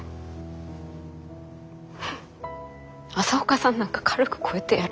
朝岡さんなんか軽く超えてやる。